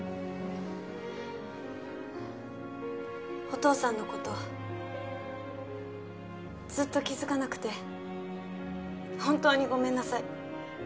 お父さんのことずっと気づかなくて本当にごめんなさい。